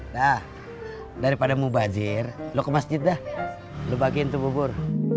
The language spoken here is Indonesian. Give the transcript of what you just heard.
nah daripada mau bajir lo ke masjid dah lo bagiin tuh bubur